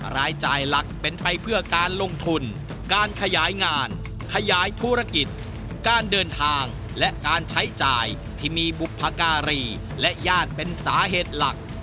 รายจ่ายหลักเป็นไปเพื่อการลงทุนการขยายงานขยายธุรกิจการเดินทางและการใช้จ่ายที่มีบุพการีและญาติเป็นสาเหตุหลัก